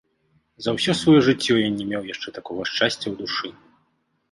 За ўсё сваё жыццё ён не меў яшчэ такога шчасця ў душы.